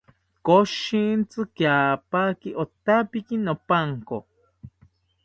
Koshintzi kiapaki otapiki nopanko